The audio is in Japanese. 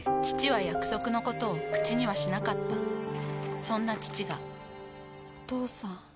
父は約束のことを口にはしなかったそんな父がお父さん。